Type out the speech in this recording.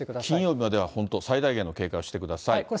金曜日までは本当、最大限の警戒をしてください。